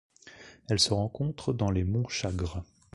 Elle se rencontre dans les monts Chagres.